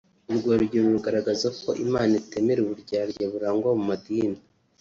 Urwo rugero rugaragaza ko Imana itemera uburyarya burangwa mu madini